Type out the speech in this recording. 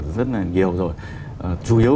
rất là nhiều rồi chủ yếu